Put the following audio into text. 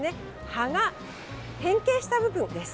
葉が変形した部分です。